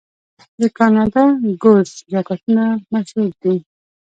د کاناډا ګوز جاکټونه مشهور دي.